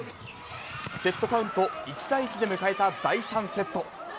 セットカウント１対１で迎えた第３セット。